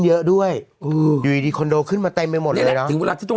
เยอะด้วยอืมอยู่ดีดีคอนโดขึ้นมาเต็มไปหมดนี่แหละถึงเวลาที่ต้อง